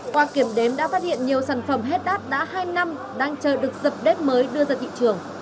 qua kiểm đếm đã phát hiện nhiều sản phẩm hết đát đã hai năm đang chờ được dập đất mới đưa ra thị trường